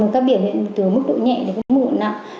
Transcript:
các biểu hiện từ mức độ nhẹ đến mức độ nặng